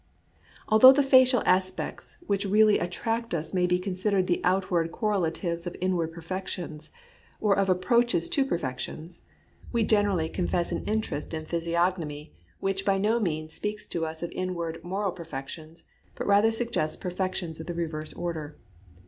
Although the facial aspects which really attract us may be considered the outward correlatives of inward perfections, or of ap proaches to perfections, we generally confess an interest in physiognomy which by no means speaks to us of inward moral perfec tions, but rather suggests perfections of the reverse order.